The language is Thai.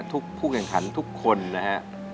ผู้แข่งขันทุกคนนะฮะ